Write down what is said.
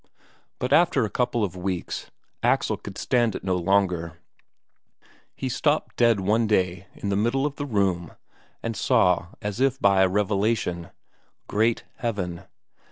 But after a couple of weeks, Axel could stand it no longer; he stopped dead one day in the middle of the room and saw it all as by a revelation. Great Heaven!